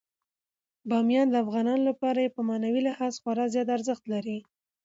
بامیان د افغانانو لپاره په معنوي لحاظ خورا زیات ارزښت لري.